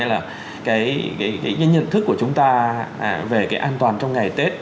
cái nhận thức của chúng ta về cái an toàn trong ngày tết